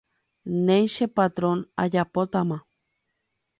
Néi che patrón, ajapótama.